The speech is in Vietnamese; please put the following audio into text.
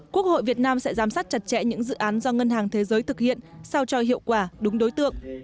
quốc hội việt nam sẽ giám sát chặt chẽ những dự án do ngân hàng thế giới thực hiện sao cho hiệu quả đúng đối tượng